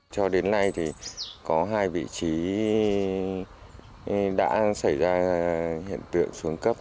cho đến nay thì có hai vị trí đã xảy ra hiện tượng xuống cấp